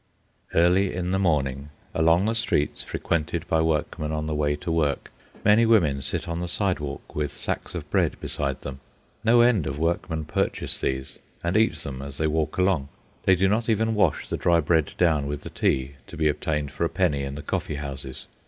Early in the morning, along the streets frequented by workmen on the way to work, many women sit on the sidewalk with sacks of bread beside them. No end of workmen purchase these, and eat them as they walk along. They do not even wash the dry bread down with the tea to be obtained for a penny in the coffee houses.